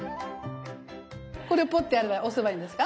これをポッてやれば押せばいいんですか？